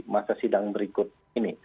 masa sidang berikut ini